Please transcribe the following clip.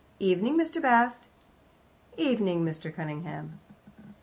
"Evening, Mr. Bast." "Evening, Mr. Cunningham."